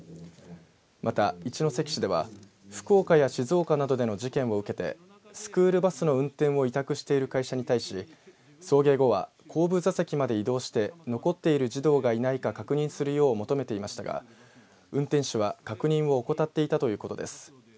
また、一関市では福岡や静岡などでの事件を受けてスクールバスの運転を委託している会社に対し送迎後は後部座席まで移動して残っている児童がいないか確認するよう求めていましたが運転手は確認を怠っていたということです。